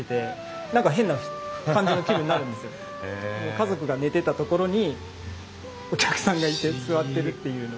家族が寝てた所にお客さんがいて座ってるっていうのが。